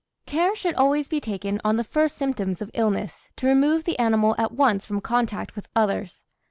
Care should always be taken on the first symptoms of illness to remove the animal at once from contact with others.